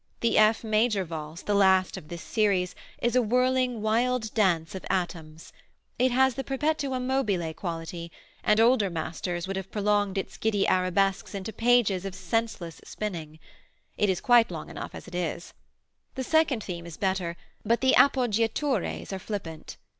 The F major Valse, the last of this series, is a whirling, wild dance of atoms. It has the perpetuum mobile quality, and older masters would have prolonged its giddy arabesques into pages of senseless spinning. It is quite long enough as it is. The second theme is better, but the appoggiatures are flippant.